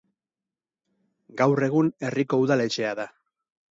Gaur egun herriko udaletxea da.